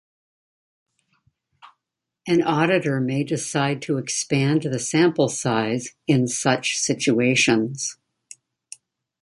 An auditor may decide to expand the sample size in such situations.